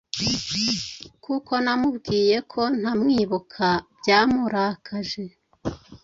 Kuko namubwiyeko ntamwibuka byamurakaje